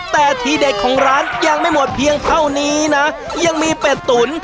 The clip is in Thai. แต่ทีเด็ดของร้านยังไม่หมดเพียงเท่านี้นะยังมีเป็ดตุ๋น